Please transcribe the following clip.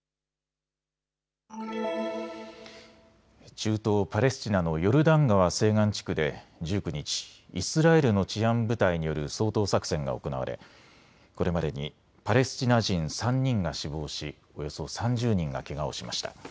中東パレスチナのヨルダン川西岸地区で１９日、イスラエルの治安部隊による掃討作戦が行われこれまでにパレスチナ人３人が死亡し、およそ３０人がけがをしました。